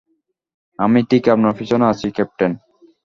আমি ঠিক আপনার পিছনে আছি, ক্যাপ্টেন।